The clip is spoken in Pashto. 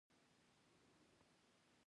تل رښتنی اوسهٔ.